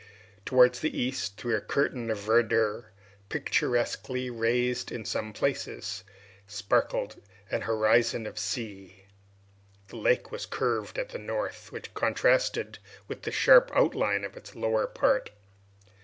Towards the east, through a curtain of verdure, picturesquely raised in some places, sparkled an horizon of sea. The lake was curved at the north, which contrasted with the sharp outline of its lower part.